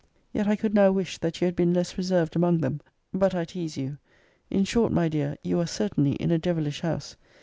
Yet I could now wish, that you had been less reserved among them >>> But I tease you In short, my dear, you are certainly in a devilish house!